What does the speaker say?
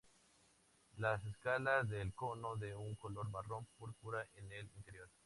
Las escalas del cono de un color marrón púrpura en el interior.